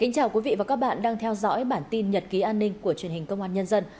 chào mừng quý vị đến với bản tin nhật ký an ninh của truyền hình công an nhân dân